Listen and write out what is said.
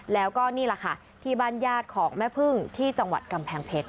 แล้วก็นี่แหละค่ะที่บ้านญาติของแม่พึ่งที่จังหวัดกำแพงเพชร